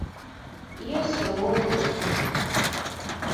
— Йӧсӧ огыл...